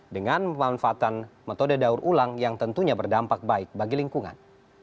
dengan pemanfaatan metode daur ulang yang tentunya berdampak baik bagi lingkungan